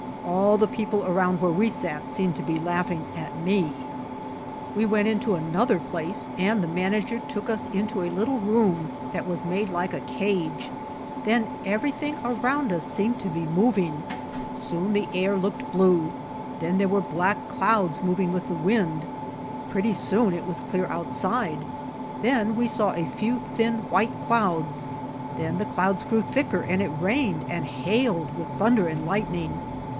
All the people around where we sat seemed to be laughing at me. 202 AT THE WORLD'S FAIR We went into another place and the man ager took us into a little room that was made like a cage; then everything around us seemed to be moving; soon the air looked blue, then there were black clouds moving with the wind. Pretty soon it was clear outside ; then we saw a few thin white clouds ; then the clouds grew thicker, and it rained and hailed with thunder and lightning.